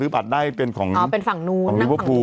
ซื้อบัตรได้เป็นของลิฟภู